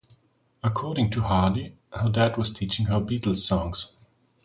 According to Hardy, Her Dad was teaching her Beatles songs.